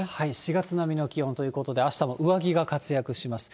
４月並みの気温ということで、あしたも上着が活躍します。